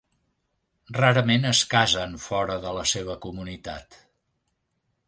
Rarament es casen fora de la seva comunitat.